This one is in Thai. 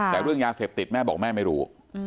แต่เรื่องยาเสพติดแม่บอกแม่ไม่รู้